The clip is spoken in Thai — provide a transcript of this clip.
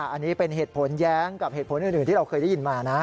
อันนี้เป็นเหตุผลแย้งกับเหตุผลอื่นที่เราเคยได้ยินมานะ